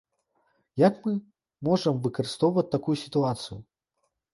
Як мы можам выкарыстаць такую сітуацыю?